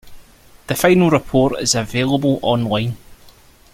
The final report is available online.